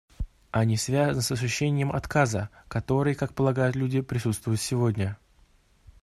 Они связаны с ощущением отказа, который, как полагают люди, присутствует сегодня.